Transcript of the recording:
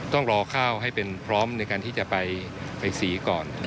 ต้องรอข้าวให้เป็นพร้อมในการที่จะไปสีก่อน